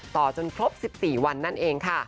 ต่อจนพรบสิบสี่วันนั่นเอง